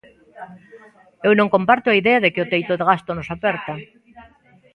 Eu non comparto a idea de que o teito de gasto nos aperta.